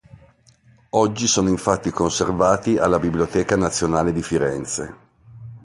Oggi sono infatti conservati alla Biblioteca Nazionale di Firenze.